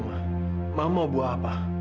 ma mau buah apa